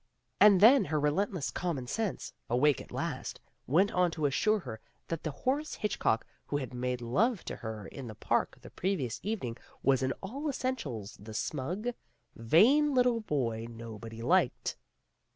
And then her relentless common sense, awake at last, went on to assure her that the Horace Hitch cock who had made love to her in the park the previous evening was in all essentials the smug, vain little boy nobody liked.